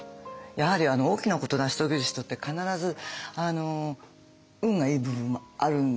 やはり大きなこと成し遂げる人って必ず運がいい部分もあるんだな。